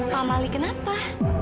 pak mali kenapa